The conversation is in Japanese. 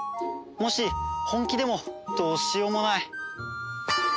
もし本気でもどうしようもない。